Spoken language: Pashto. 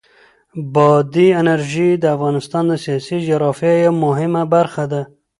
بادي انرژي د افغانستان د سیاسي جغرافیه یوه مهمه برخه ده.